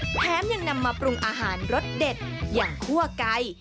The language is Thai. แถมยังนำมาปรุงอาหารรสเด็ดอย่างคั่วไก่